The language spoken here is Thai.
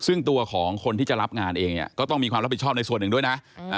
ซึ่งตัวของคนที่จะรับงานเองเนี่ยก็ต้องมีความรับผิดชอบในส่วนหนึ่งด้วยนะ